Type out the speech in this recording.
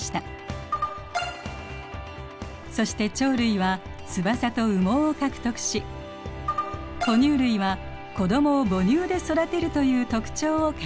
そして鳥類は翼と羽毛を獲得し哺乳類は子どもを母乳で育てるという特徴を獲得しました。